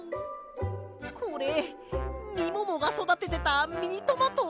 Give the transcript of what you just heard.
これみももがそだててたミニトマト？